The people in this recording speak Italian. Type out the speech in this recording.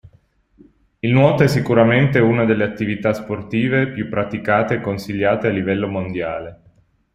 Il nuoto è sicuramente uno delle attività sportive più praticate e consigliate a livello mondiale.